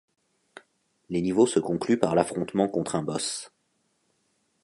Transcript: Les niveaux se concluent par l'affrontement contre un boss.